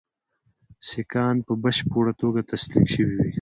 سیکهان په بشپړه توګه تسلیم شوي وي.